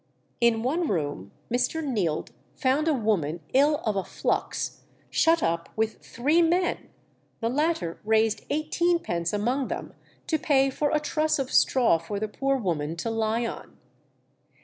In one room Mr. Neild found a woman ill of a flux shut up with three men; the latter raised eighteenpence among them to pay for a truss of straw for the poor woman to lie on.